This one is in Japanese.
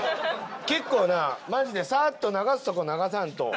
結構なマジでさーっと流すとこ流さんと。